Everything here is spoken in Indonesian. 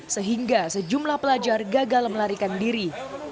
sehingga sejumlah pelajar gagal melarikan diri